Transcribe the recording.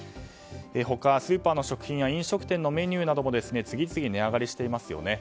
他、スーパーの食品や飲食店のメニューなども次々、値上がりしていますよね。